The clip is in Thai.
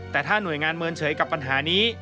แต่ถ้าหน่วยงานเมินเฉยกับปัญหานี้